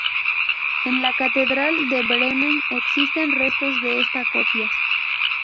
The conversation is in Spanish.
En la Catedral de Bremen existen restos de esta copia.